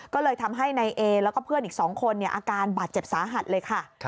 ก็เลยทำให้นายเอแล้วก็เพื่อนอีก๒คนอาการบาดเจ็บสาหัสเลยค่ะ